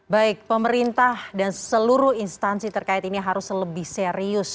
baik pemerintah dan seluruh instansi terkait ini harus lebih serius